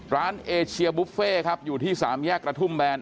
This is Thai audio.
เอเชียบุฟเฟ่ครับอยู่ที่สามแยกกระทุ่มแบน